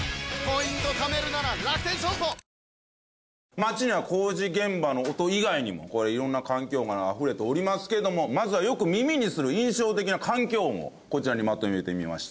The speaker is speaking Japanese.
街には工事現場の音以外にも色んな環境音があふれておりますけどもまずはよく耳にする印象的な環境音をこちらにまとめてみました。